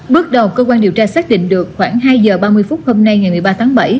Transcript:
bước đầu cơ quan điều tra xác định được khoảng hai giờ ba mươi phút hôm nay ngày một mươi ba tháng bảy